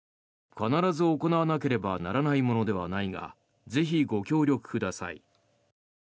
必ず行わなければならないものではないがぜひご協力ください。